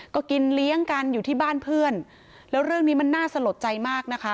ก็กินเลี้ยงกันอยู่ที่บ้านเพื่อนแล้วเรื่องนี้มันน่าสลดใจมากนะคะ